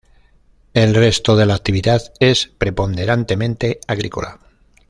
El resto de la actividad es preponderantemente agrícola.